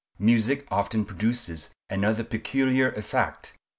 Music often produces another peculiar effect.